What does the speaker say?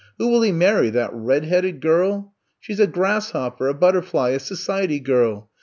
*^Who will he marry — ^that red headed girlt She 's a grasshopper, a butterfly, a society girl.